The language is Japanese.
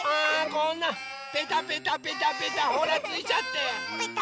こんなペタペタペタペタほらついちゃって。